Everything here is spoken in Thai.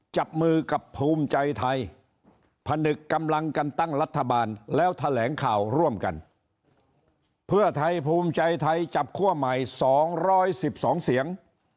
จับมือกับภูมิใจไทยผนึกกำลังกันตั้งรัฐบาลแล้วแถลงข่าวร่วมกันเพื่อไทยภูมิใจไทยจับคั่วใหม่๒๑๒เสียง